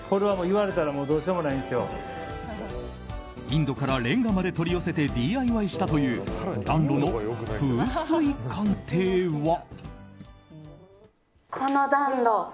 インドかられんがまで取り寄せてＤＩＹしたという暖炉の風水鑑定は？